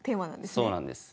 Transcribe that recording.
そうなんです。